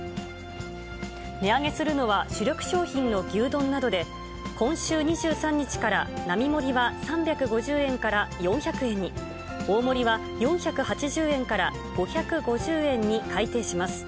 値上げするのは、主力商品の牛丼などで、今週２３日から並盛は３５０円から４００円に、大盛は４８０円から５５０円に改定します。